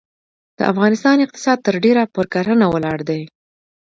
د افغانستان اقتصاد ترډیره پرکرهڼه ولاړ دی.